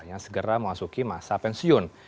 yang segera memasuki masa pensiun